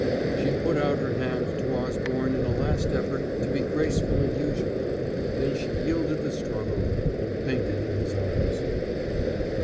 She put out her hand to Osborne in a last effort to be graceful and usual; then she yielded the struggle, and fainted in his arms.